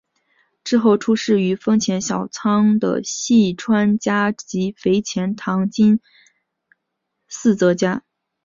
之后出仕于丰前小仓的细川家及肥前唐津寺泽家。